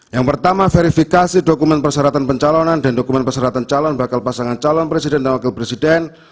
yang pertama verifikasi dokumen persyaratan pencalonan dan dokumen persyaratan calon bakal pasangan calon presiden dan wakil presiden